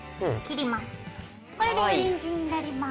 これでフリンジになります。